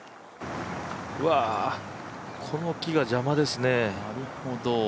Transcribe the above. うわ、この木が邪魔ですね。